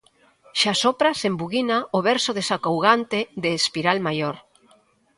Xa sopra sen buguina o verso desacougante de Espiral Maior.